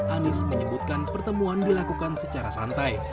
anies menyebutkan pertemuan dilakukan secara santai